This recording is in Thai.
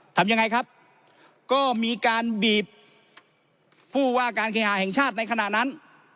ทำยังไงครับก็มีการบีบผู้ว่าการเคหาแห่งชาติในขณะนั้น